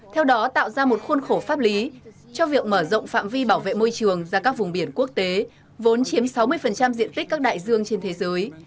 theo đó tạo ra một khuôn khổ pháp lý cho việc mở rộng phạm vi bảo vệ môi trường ra các vùng biển quốc tế vốn chiếm sáu mươi diện tích các đại dương trên thế giới